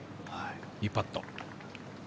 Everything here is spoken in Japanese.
いいパット。